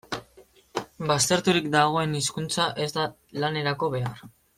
Bazterturik dagoen hizkuntza ez da lanerako behar.